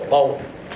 để quốc hội bầu